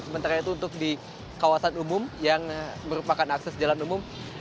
sementara itu untuk di kawasan umum yang merupakan akses jalan umum